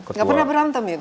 nggak pernah berantem itu